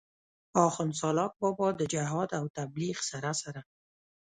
آخون سالاک بابا د جهاد او تبليغ سره سره